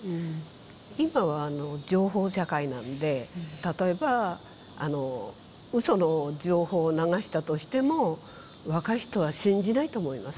今は情報社会なんで例えばうその情報を流したとしても若い人は信じないと思いますよ。